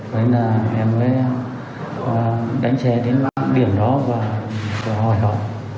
nên là em mới đánh xe đến điểm đó và hỏi họ